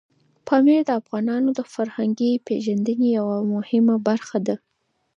پامیر د افغانانو د فرهنګي پیژندنې یوه مهمه برخه ده.